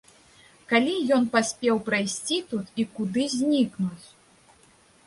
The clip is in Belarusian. Калі ён паспеў прайсці тут і куды знікнуць?